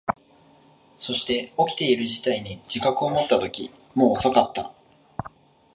そして、起きている事態に自覚を持ったとき、もう遅かった。